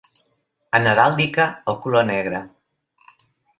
En heràldica, el color negre.